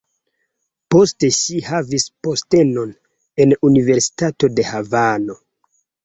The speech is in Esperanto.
Poste ŝi havis postenon en universitato de Havano.